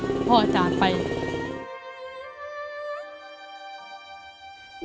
พ่อเป็นเสียเนอะแต่ก็เสียใจที่พ่อจาดไป